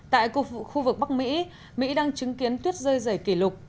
tại khu vực bắc mỹ mỹ đang chứng kiến tuyết rơi rảy kỷ lục